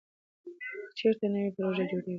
چېرته نوې پروژې جوړېږي؟